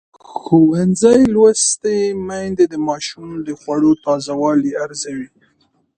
ښوونځې لوستې میندې د ماشومانو د خوړو تازه والی ارزوي.